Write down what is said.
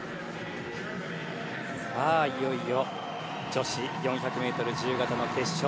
いよいよ女子４００ｍ自由形の決勝。